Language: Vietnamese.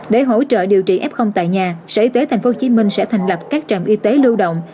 để hỗ trợ điều trị f tại nhà sở y tế tp hcm sẽ thành lập các trạm y tế lưu động